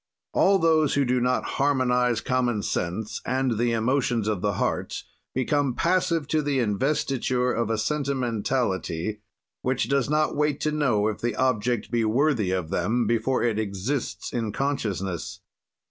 "All those who do not harmonize common sense and the emotions of the heart become passive to the investiture of a sentimentality which does not wait to know if the object be worthy of them before it exists in consciousness.